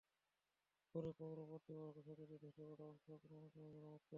পরে পৌর কর্তৃপক্ষ সেতুটির ধসে পড়া অংশ কোনো রকমে মেরামত করে।